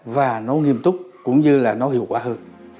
và nó nghiêm túc cũng như là nó hiệu quả hơn